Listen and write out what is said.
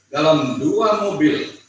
dalam dua mobil